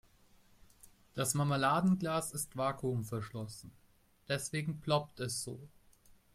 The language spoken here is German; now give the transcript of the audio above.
Das Marmeladenglas ist vakuumverschlossen, deswegen ploppt es so.